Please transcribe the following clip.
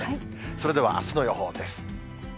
それではあすの予報です。